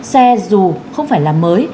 xe dù không phải là mới